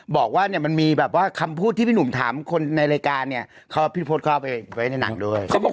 บอกว่าเนี่ยมันมีแบบว่าคำพูดที่พี่หนุ่มถามคนในรายการเนี่ยเขาพี่พศเขาเอาไปไว้ในหนังด้วย